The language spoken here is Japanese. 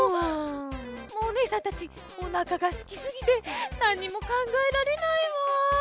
もうおねえさんたちおなかがすきすぎてなんにもかんがえられないわ。